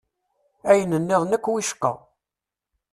Ayen-nniḍen akk wicqa!